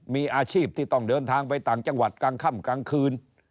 มีอาชีพที่ต้องเดินทางไปต่างจังหวัดกลางค่ำกลางคืน